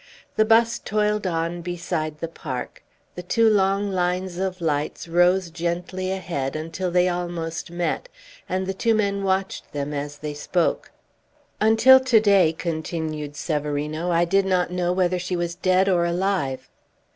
The 'bus toiled on beside the park. The two long lines of lights rose gently ahead until they almost met, and the two men watched them as they spoke. "Until to day," continued Severino, "I did not know whether she was dead or alive."